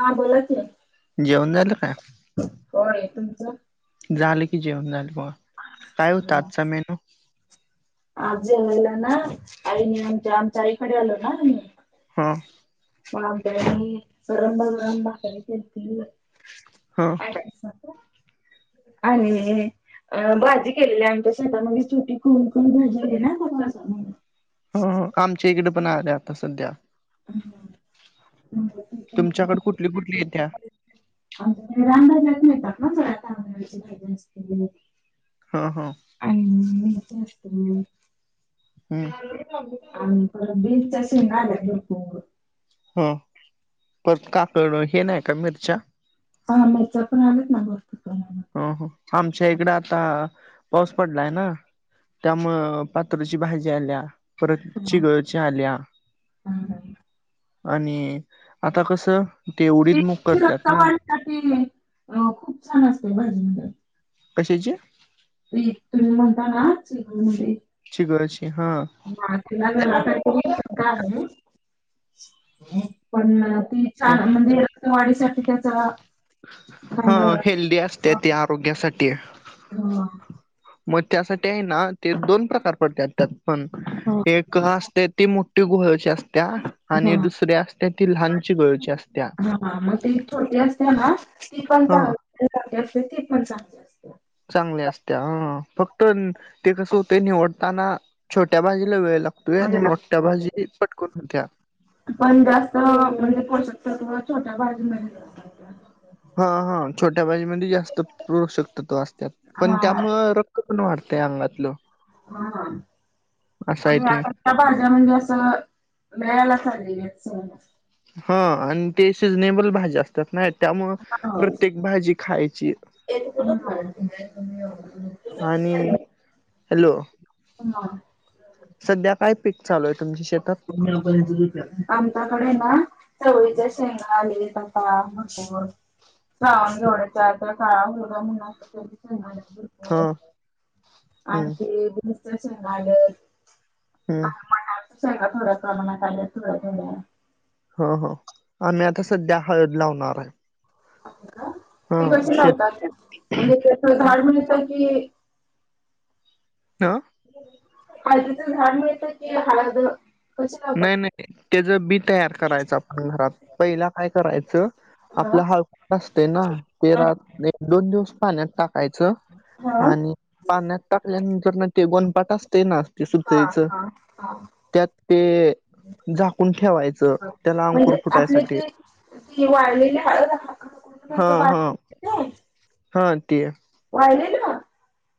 हा बोला की. जेवण झालं काय होय तुमचं झालं कि जेवण झालं मग. काय होतं हा आजचा मेनू. आज हला ना आईन आमच्या आईकडे आलो ना मी. हा म दुरंबा दुरंबा [inaudible] [unintelligible] हा आणि अ भाजी केलेली आमच्या [unintelligible] कोण भाजी आहे ना. हो आमच्या इकडे पण आ र आता सध्या. हम् हम तुमच्याकडं कुठली कुठली ये त्यात आमच्याकडे रामराज्यात मिळतात ना संगताची भाज्या असते हांअ हांअ आणी मम्मी ते असत हम्ं आणि बीच शिंगले भरपूर हो पर काकड हे नाही का मिरच्या हा मचा पण आलेत ना बर हो हो आमच्या इकडे आ आता पाऊस पडलाय ना त्यामुं पात्रची भाजी आल्या परत ची ग आल्या हम्म. आणि आता कस तेवढीच मग करतात नां साठी अ खूप छान! असते भाजी बरकां कशाअची अ तें तुम्ही म्हणता नां चिकमध्ये [unintelligible] हं तुलाला तरध आहे. - [unintelligible] पण ती त्या- छानं! म्हणजे तू माझ्यासाठी काय करण त्याचा हा खांड हेल्दी असते ते हंअअअअ मगं त्यासाठी आहे नां ते दोन प्रकार पडतयात पण हा एक असते ती टूगोळची असत्या हा. आणि दुसरी्या असत्या ती लहानची गोळळची असत्या. हां मग ते छोटी असते नां ती पण हा चांगली असते ती पण चांगली असते. चांगल्या असत्या अं फक्त ते कसं होते निवडतांना छोट्या बाजीला वेळ लागतो. वेळत आणि म्हणजे मोठ्या लागते. भाजी पटकून होत होत्या. पण जास्त पोषक खाऊ शकत तू छोट्या भाजी मध्ये जा ह ह छोट्या भाजी मधे जास्त पो षतव असतयात. हा पण त्यामुळं रक्त पण वाढतय अंगातलं हा असा आहे आणि ते आता त्या भाज्या म्हणजे असं वेळावर पायला जे हअं आणि ते सिजनेबल भाजी असतात. ना त्यामुळ प्रत्येक भाजी खायची. [unintelligible] हॅलोअ हंअ सध्या काय? पीक चालू आहे, तुमच्या शेतात. मी टाकलेत तुर तयात आमच्याकडे नां चवळीयच्या शेंगा आले आत मस्त कर गावकडचा खावन घेवण्याचा काळागेला हा म्हणून हम्म आणते दूसरया शेगा आलय हम्ं शेगा थोड्या प्रमात आल्या तर देतो थोड्या हो हो आम्ही आता संध्या हळद लावणार हा ते कसे शेत लावतात. म्हणजे त्यास दहामीनट कीं अ तअं हलदच झाड मिळत की. हलद नाही, नाही त्याच बी तयार करायचं आपण घरात पहिला काय? करायचं हा आपल्या हळकूड असते नां हा पेरात दोन दिवस पाण्यातं टाकायचं हा आणि पाण्यात टाकल्यानंतर नां ते गोनपाट असते नां ते हा सुतयचं हा हा त्यातं ते त्याला अंकुर म्हणजे आपले फुटायसाठी ते ती वाळलेली हळद हा हा [unintelligible] हा ते वाळलेली मग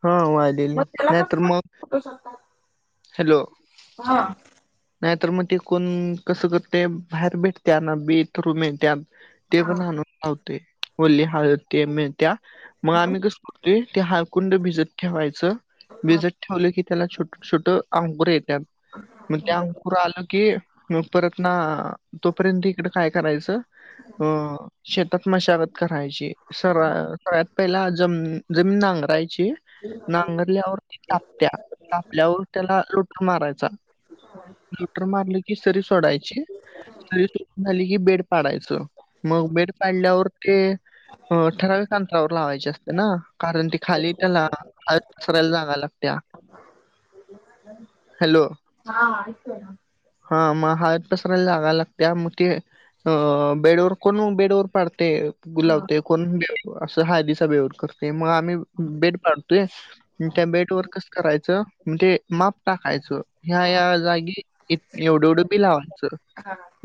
हा वाळलेली त्याला नाही कस तर मग फुटू शकतात. हॅलो हा नाहीतर मग ते कोण कसं करते बाहेर भेटत्या ना बी थ्रू मिळत्या ते पण हा हळद लावतोय ओली हळद ते मिळतया मगं हा आम्ही कसं. - ते हळकुंड भिजत ठेवायचं हा भिजत. - ठेवलं की, त्याला छोटं छोटं अंकूर येत्यात. - मग ते अंकुर आल की मगं परत ना अ तोपर्यंत इकडं काय? करायचं. - अ शेतात मशागतं. - करायची स सगळ्यात पहिला ज जमीन नांगरायची. - नांगरल्यावर ती तापत्या तापल्यावर त्याला लोट मारायचा [inaudible] रुटर मारली की सरी सोडायची सरी सोडून झाली कि बेड पाडायचं मग बेड पाडल्यावर ते अ ठराविक अंतरावर लावायचे असते ना कारण ती खाली त्याला हळद सरायला जागा लागत्या हॅलो हा हा ऐकतोय ना हा मग हळद पसरायला जागा लागत्या मग ते अ बेडवर कोण बेडवर पाडतय गुलावतय कोण अस हळदीच बेवर करतय मग बेड पाडतोय त्या बेड वर कसं करायचं. म्हणजे माप टाकायचं ह्या ह्या जागी एवढं एवढं बी लावायचं.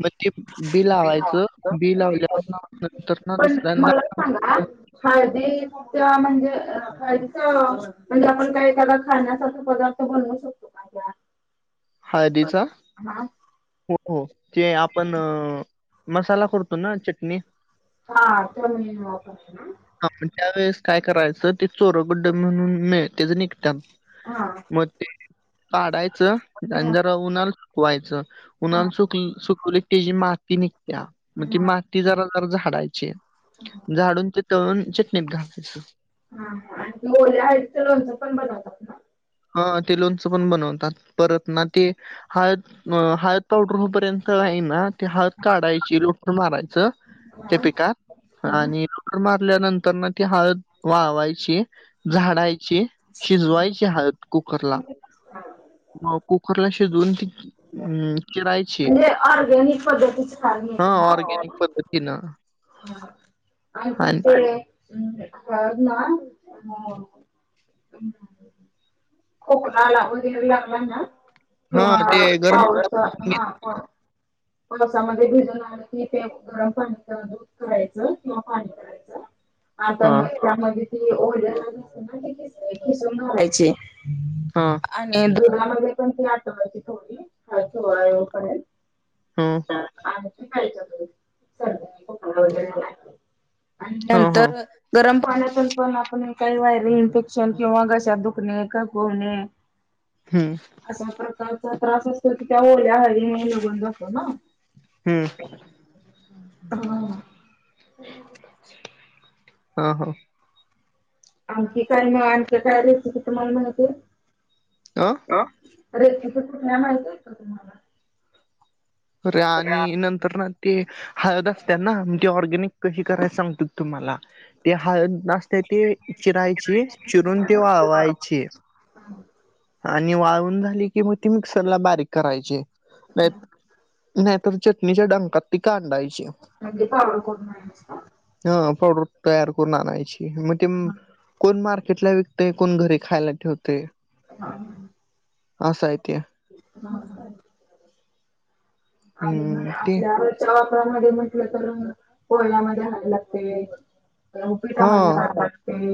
मग ते बी लावायचं बी ते लावल्यावर नंतर ना दुसऱ्यादा [unintelligible] हळदी म्हणजे हळदीच म्हणजे आपण काय त्याला खाण्यासाठी पदार्थ बनवू शकतो! का त्या हळदीचा? हा हो हो ते आपण मसाला करतो. ना चटणी हा त्या मध्ये वापरला ना! हा त्यावेेळेस काय करायचं ते चोरगुड्ड म्हणून मिळ त्याच निघत्यात हा मग ते काढायचं आणि हा जरा उन्हाला सुकवायचं हा उन्हाला सुकवलं सुकवली की त्याची माती निघत्या मग ती हा हा माती जरा जरा झाडायची झाडून ते दळून चटणीत घालायचं हा हा आणि त्या ओल्या हळदीचं लोणच पण बनवतात ना हो ते लोणचं पण बनवतात परत ना ते हळद मग हळद पावडर होपर्यंत नाही ना ती हळद काढायची रोटर मारायचं त्या हा पिकांत हा आणि रोटरी मारल्यानंतर पण मग ती हळद वाळवायची, झाडायची, शिजवायची हळद कुकरला मग कुकरला शिजून ती अ चिरायची म्हणजे ऑर्गॅनिक पद्धतीची हळद हा मिळते ना ऑरगॅनिक आपल्याला पद्धतीन आणखी ते हळद ना हम्म खोकला आला वगैरे लागला ना हा किंवा ते गरम पावडरचा करून घे- वापर पावसामध्ये भिजून आलं कि ते गरम पाणी दूध करायचं किंवा पाणी कराय. [inaudible] हा तर त्यामध्ये ओली हळद असते ना ती खिसून घालायची हा आणि दधुरामध्ये पण ती आठवड्याची थोडी थोळा येऊपर्यंत हा का वगैर आणि हा हा नंतर गरम पाण्यातून पण आपण काही व्हायरल इन्फेक्शन किंवा घशात दुखणे का खवखवणे हम्म अशा प्रकारचा त्रास असतो की त्या ओल्या हळदीमुळे निघून जातो ना हम्म हा हा हा आणखी काय म आणख काय रेसिपी तुम्हाला माहिती ह रे तिथ कुठल्या माह आहे का तुम्हाला े आणि नंतर तर ना ते हळद असत ना ते ऑर्गॅनिक कशी कराय सांगत तुम्हाला ते हळ नसते ते चिरायची चिरून ते वावायची हम आणि वाळून झाली की मग त मिक्सरला बारीक करायची नाही तर चटणीच्या डंकात ती काा आणडायची म्हणे पावळ करून नाही असत ह प्रॉडर तयार करून आणायची मग ते कोण मार्केटला व ते कोण घरी खायला ठेवते हा ह साहितय आणि हम्म ते आपल्या च्या वापरामध्ये म्हटलं तर पोहण्यामध्ये हवे लागते उपिट हा म लाते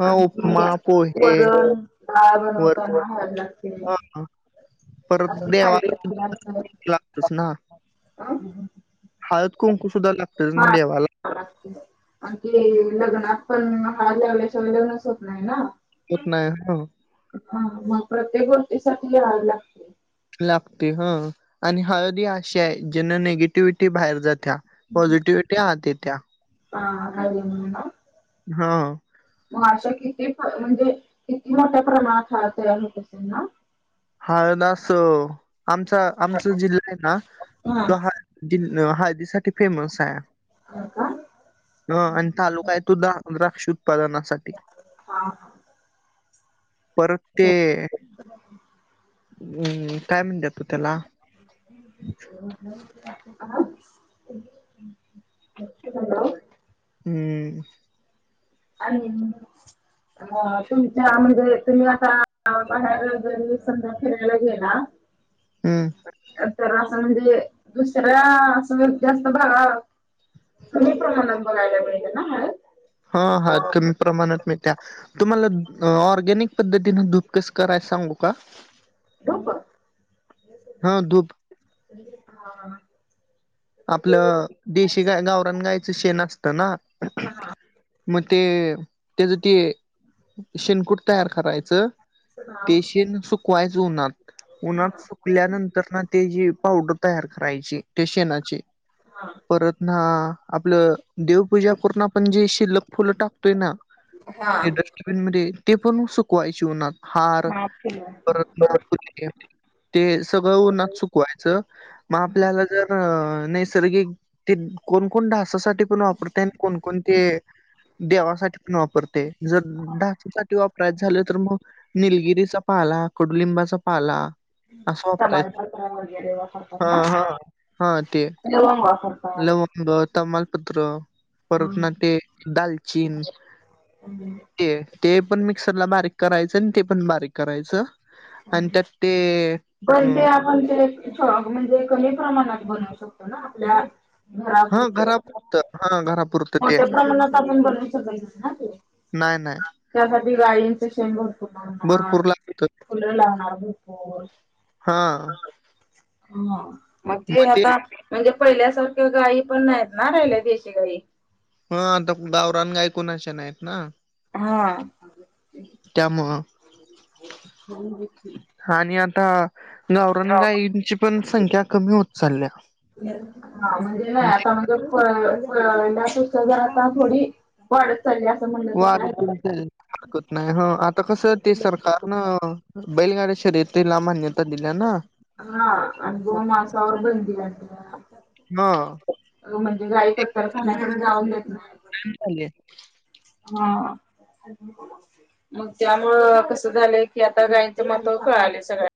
हा आणि उपमा पोहे वरण गाळ वर बनवताना हवी लागते हा परत अ काय देवाला होणार लागतच ना हळद कुंकू सुद्धा लागतेच ना देवाला आणखी लग्नात पण हळ लावल्याशिवाय लग्नच होत नाही ना होत नाही आहे हा हा मग प्रत्येक गोष्टीसाठी याय ला लागते ह आणि हळदी अशा आहे ज्यांना निगेटिव ि्ही बाहेर जात्या पॉझिटिव्हटीहात त्या्या ह अर म ना हा मग अशा किती म्हणजे किती मोठ्या प्रमाणात हवा तयार होत असेल ना हळदास आमचा आमचा जिल्हा आहे ना हा त ह ज हळदीसाठीठी फेमस आहे हो का ह आणि तालुका आहे तो द द्राक्ष उत्पादनासाठी हा परत ते हम्म काय म्हणत तू त्याला हो ह ह हॅलो हम्म आणि अ तुमच्या म्हणजे तुम्ही आता बाहेर वगैरी समधा फिरायला गेला. हम्म. तर असं म्हणजे दुसऱ्या असं व जास्त बघा कमी प्रमाणात बघायला मिळते ना हळ हा हात कमी प्रमाणात मिळ्या तुम्हाला ऑर्गॅनिक पद्धतीने दूप कस कराय सांगू का? रपा हा दुप. हा. आपलं देशी गाय गावरान गायचं शेण असतं ना. [unintelligible] मग ते, त्याच ते शेनकूट तयार करायचं देशित सुकवायच उन्हात, उन्हात सुक पिल्यानंतर ना ते जी पावडर तयार करायची ते शेणाची. परत ना, आपलं देवपूजा करून पण जी शिल्लक फुलं टाक ते ना, ते डस्टबिन मध्ये ते पण सुकवायची उन्हात. हार, माफी आहे परत ना पल्ली ते सगळं उन्हात सुकवायचं म आपल्याला जर नैसर्गिक ते कोण-कोण ढासासाठी पण वापरतयं कोणकोण ते देवासाठी पण वापरते, जर ढाससाठी वापरायच झालं तर मग निलगिरीचा पाला, कडुलिंबाचा पाला असा वापराय, समाजपत्र वगैरे वापरतात हा ना हा हा ते लवंग लवंग, तमालपत्र परत ना ते, दालचीन ते, ते पण मिक्सरला बारीक करायचं, आणि ते पण बारीक करायचं आणि त्यात ते, अ आणि ते, हां म्हणजे कमी प्रमाणात बनवू शकतो ना आपल्या हां, घरापुरतं, हां, घरापुरतं ते. मोठ्या प्रमाणात आपण बरी सगळेजण ना ते नाय नाय त्यासाठी गायींच शेण भरपूर लावणार, भरपूर लागतं. फुलं लावणार भरपूर. हा हम, मग ते आता म्हणजे पहिल्यासारख्या गायी पण नाहीत ना राहिल्या देशी गाई. हा, आता गावरान गाय कोणाच्या नाहीत ना हा त्यामुळं आणि आता गावरान गाईंची पण संख्या कमी होत चालल्या. हा म्हणजे आपण वाद [unintelligible] [unintelligible] हरकत नाही, ह आता कसं ते सरकार नं बैलगाडी शर्यतीला मान्यता दिल्या ना. हा अनभव मानसांवर बेंदीलाय म्हणं हा अ म्हणजे गाई कत्तर खाण्याकडं जाऊ देत नाही झाले हा मग त्यामुळं कसं झालंय की, आता गायीच महत्व कळाले सगळया